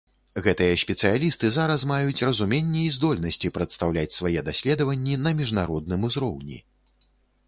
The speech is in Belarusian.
Гэтыя спецыялісты зараз маюць разуменне і здольнасці прадстаўляць свае даследаванні на міжнародным узроўні.